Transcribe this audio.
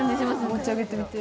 持ち上げてみて？